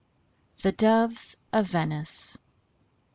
THE DOVES OF VENICE.